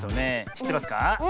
しってますか？